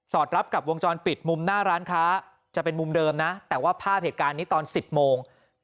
รับกับวงจรปิดมุมหน้าร้านค้าจะเป็นมุมเดิมนะแต่ว่าภาพเหตุการณ์นี้ตอน๑๐โมง